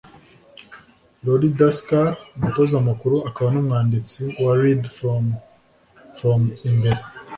Lolly Daskal, umutoza mukuru akaba n'umwanditsi wa Lead From From Imbere